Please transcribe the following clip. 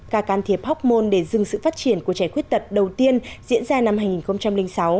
ca can thiệp hóc môn để dừng sự phát triển của trẻ khuyết tật đầu tiên diễn ra năm hai nghìn sáu